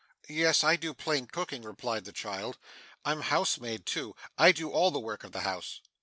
'Yes, I do plain cooking;' replied the child. 'I'm housemaid too; I do all the work of the house.